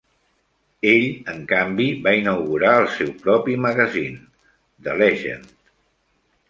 Ell, en canvi, va inaugurar el seu propi magazín, The Legend!